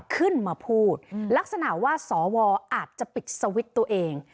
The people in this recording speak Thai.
ขึ้นมาพูดลักษณะว่าสวอาจจะปิดสวิตช์ตัวเอง